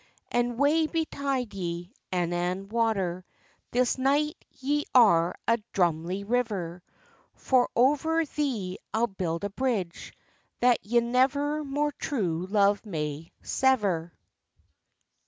"And wae betide ye, Annan water, This night that ye are a drumlie river! For over thee I'll build a bridge, That ye never more true love may sever."